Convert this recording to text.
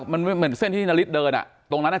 มันเหมือนเส้นที่นาริสเดินตรงนั้น